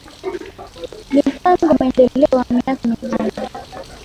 Ni mpango wa Maendeleo wa Miaka Mitano